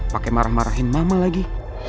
pakai marah marahin mama lagi